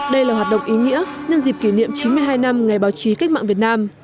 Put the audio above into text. đây là hoạt động ý nghĩa nhân dịp kỷ niệm chín mươi hai năm ngày báo chí cách mạng việt nam